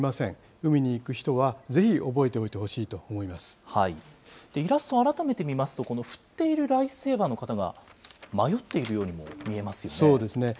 海に行く人はぜひ覚えておいてほイラスト、改めて見ますと、この振っているライフセーバーの方が、迷っているようにも見えまそうですね。